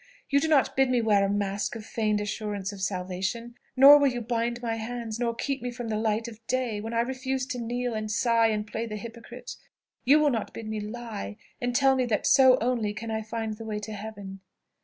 You do not bid me wear a mask of feigned assurance of salvation; nor will you bind my hands, nor keep me from the light of day, when I refuse to kneel, and sigh, and play the hypocrite. You will not bid me lie, and tell me that so only I can find the way to Heaven.